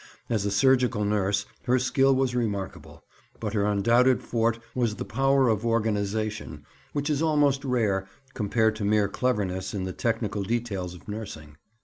As a surgical nurse her skill was remarkable; but her undoubted forte was the power of organization, which is almost rare compared to mere cleverness in the technical details of nursing.